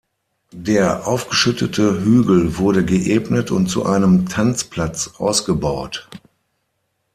Der aufgeschüttete Hügel wurde geebnet und zu einem Tanzplatz ausgebaut.